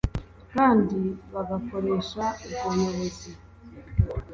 kandi bagakoresha ubwo buyobozi